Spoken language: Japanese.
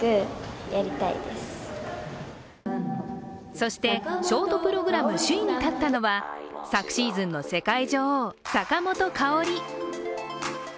そして、ショートプログラム首位に立ったのは昨シーズンの世界女王・坂本花織。